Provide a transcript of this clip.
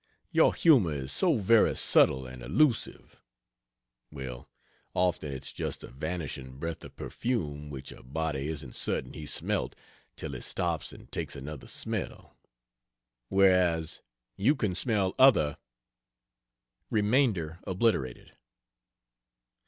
Your humor is so very subtle, and elusive (well, often it's just a vanishing breath of perfume which a body isn't certain he smelt till he stops and takes another smell) whereas you can smell other... (Remainder obliterated.)